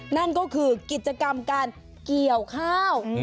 นั่นก็คือกิจกรรมการเกี่ยวข้าว